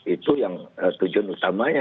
itu yang tujuan utamanya